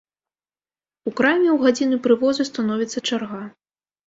У краме ў гадзіны прывозу становіцца чарга.